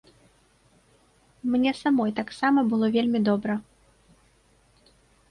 Мне самой таксама было вельмі добра.